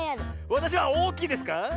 わたしはおおきいですか？